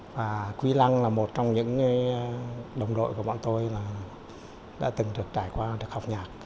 và quý lăng là một trong những đồng đội của bọn tôi đã từng được trải qua được học nhạc